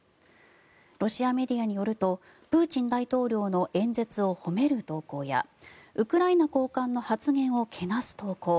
ロシアメディアによるとプーチン大統領の演説を褒める投稿やウクライナ高官の発言をけなす投稿